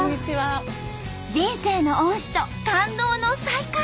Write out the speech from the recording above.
人生の恩師と感動の再会。